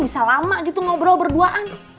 bisa lama gitu ngobrol berduaan